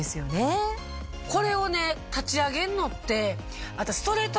これを立ち上げんのって。